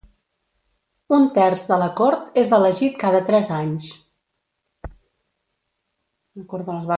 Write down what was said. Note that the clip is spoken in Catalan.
Un terç de la Cort és elegit cada tres anys.